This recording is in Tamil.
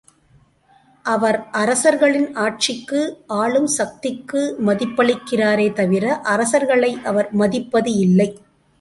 அவர் அரசர்களின் ஆட்சிக்கு, ஆளும் சக்திக்கு மதிப்பளிக்கிறாரே தவிர, அரசர்களை அவர் மதிப்பது இல்லை!